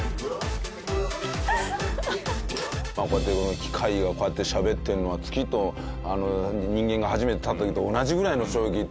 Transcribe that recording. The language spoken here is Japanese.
機械がこうやって喋ってるのは月と人間が初めて立った時と同じぐらいの衝撃って。